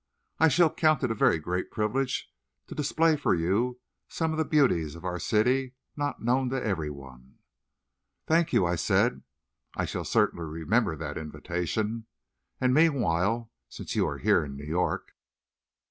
I shall count it a very great privilege to display for you some of the beauties of our city not known to every one." "Thank you," I said. "I shall certainly remember that invitation. And meanwhile, since you are here in New York...."